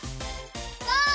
ゴー！